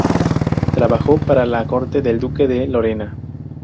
Trabajó para la corte del duque de Lorena.